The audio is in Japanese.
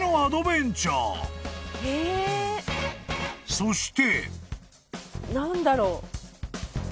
［そして］